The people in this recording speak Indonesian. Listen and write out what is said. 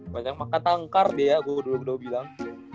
maka tangkar dia gua dulu bilang